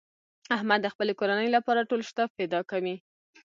احمد د خپلې کورنۍ لپاره ټول شته فدا کوي.